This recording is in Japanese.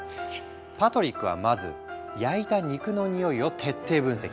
パトリックはまず焼いた肉の匂いを徹底分析。